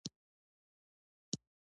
زه د وسلو پلورنځۍ مخې ته ودرېدم، دلته راشه.